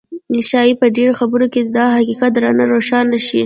ښايي په دې خبره کې دا حقيقت درته روښانه شي.